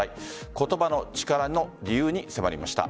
言葉の力の理由に迫りました。